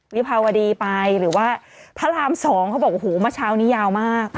วิภาวดีไปหรือว่าพระราม๒เขาบอกโอ้โหเมื่อเช้านี้ยาวมาก